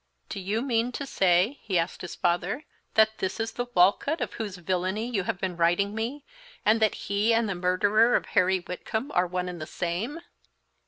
"Do you mean to say," he asked his father, "that this is the Walcott of whose villany you have been writing me, and that he and the murderer of Harry Whitcomb are one and the same?"